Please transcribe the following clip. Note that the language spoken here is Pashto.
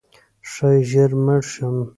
ښایي ژر مړ شم؛